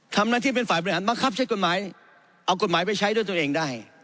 ทำหน้าที่เป็นฝ่ายบริหารบังคับใช้กฎหมายเอากฎหมายไปใช้ด้วยตัวเองได้